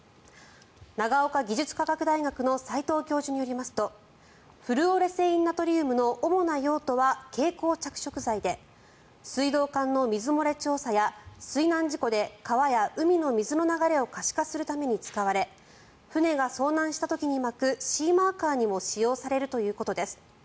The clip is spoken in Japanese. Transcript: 長岡技術科学大学の斎藤教授によりますとフルオレセインナトリウムの主な用途は蛍光着色剤で水道管の水漏れ調査や水難事故で川や海の水の流れを可視化するために使われ船が遭難した時にまくシーマーカーにも使用されるということです。